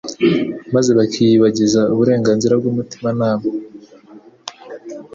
maze bakiyibagiza uburenganzira bw'umutimanama.